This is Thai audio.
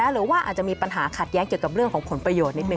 หรือว่าอาจจะมีปัญหาขัดแย้งเกี่ยวกับเรื่องของผลประโยชนนิดนึ